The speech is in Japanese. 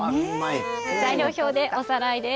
材料表でおさらいです。